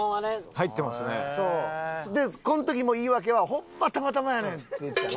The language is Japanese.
この時も言い訳は「ホンマたまたまやねん」って言ってたな。